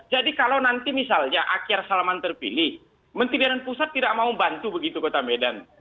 jadi kalau nanti misalnya akhir salaman terpilih menteri dan pusat tidak mau bantu begitu kota medan